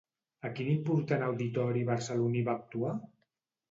A quin important auditori barceloní va actuar?